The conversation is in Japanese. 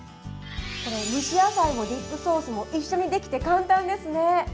これ蒸し野菜もディップソースも一緒にできて簡単ですね。